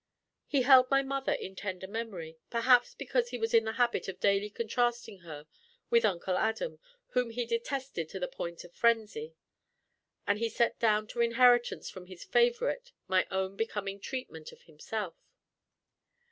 He held my mother in tender memory, perhaps because he was in the habit of daily contrasting her with Uncle Adam, whom he detested to the point of frenzy; and he set down to inheritance from his favourite my own becoming treatment of himself.